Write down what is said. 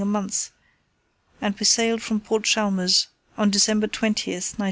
a month, and we sailed from Port Chalmers on December 20, 1916.